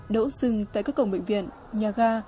đỗ xưng tại các cổng bệnh viện nhà ga